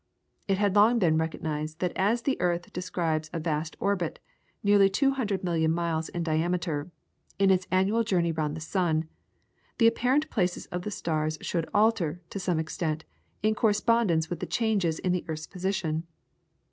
It had long been recognised that as the earth describes a vast orbit, nearly two hundred million miles in diameter, in its annual journey round the sun, the apparent places of the stars should alter, to some extent, in correspondence with the changes in the earth's position.